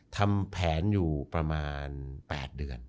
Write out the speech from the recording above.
ทำแผนอยู่ประมาณ๘เดือน